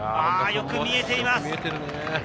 よく見えています。